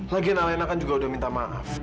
lagian alena kan juga udah minta maaf